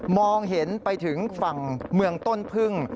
มองเห็นไปถึงฝั่งเมืองต้นพึ่ง